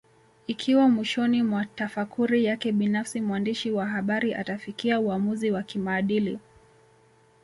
Ikiwa mwishoni mwa tafakuri yake binafsi mwandishi wa habari atafikia uamuzi wa kimaadili